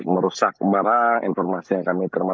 merusak barang informasi yang kami terima